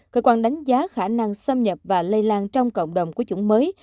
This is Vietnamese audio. cơ quan đánh giá khả năng xâm nhập và lây lan trong cộng đồng của chủng mới